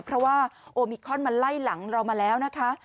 เพราะว่าโอมิคอนมันไล่หลังเรามาแล้วนะคะ